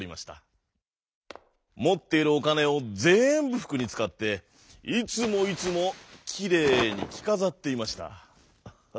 もっているおかねをぜんぶふくにつかっていつもいつもきれいにきかざっていました。